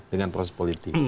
dengan proses politik